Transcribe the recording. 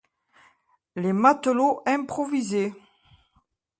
Les matelots improvisés